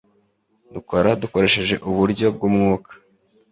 Dukora dukoresheje uburyo bw umwuka